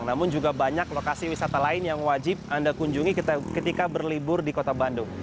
namun juga banyak lokasi wisata lain yang wajib anda kunjungi ketika berlibur di kota bandung